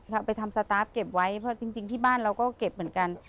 เราไปทำสตาร์ฟเก็บไว้เพราะจริงที่บ้านเราก็เก็บเหมือนกัน